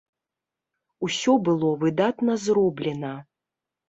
Усё было выдатна зроблена.